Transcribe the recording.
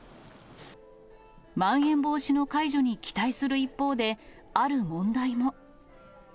まん延防止の解除に期待する一方で、ある問題も。